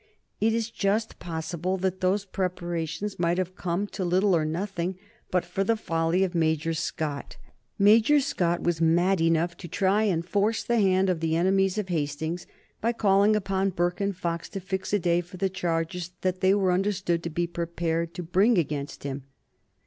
It is just possible that those preparations might have come to little or nothing but for the folly of Major Scott. Major Scott was mad enough to try and force the hand of the enemies of Hastings by calling upon Burke and Fox to fix a day for the charges that they were understood to be prepared to bring against him.